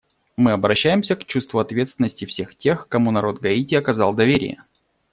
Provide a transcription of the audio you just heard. Мы обращаемся к чувству ответственности всех тех, кому народ Гаити оказал доверие.